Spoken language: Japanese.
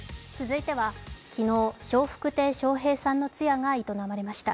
続いては昨日笑福亭笑瓶さんの艶が営まれました。